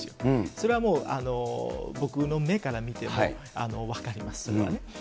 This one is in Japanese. それはもう僕の目から見ても、分かります。